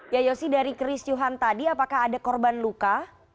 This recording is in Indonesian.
ya yosi dari keriscuhan tadi apakah ada korban luka